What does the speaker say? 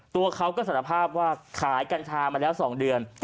ตัวเขาก็สารภาพว่าขายกัญชามาแล้ว๒เดือน